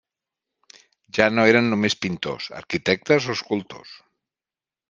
Ja no eren només pintors, arquitectes o escultors.